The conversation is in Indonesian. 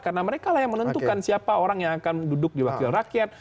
karena mereka lah yang menentukan siapa orang yang akan duduk di wakil rakyat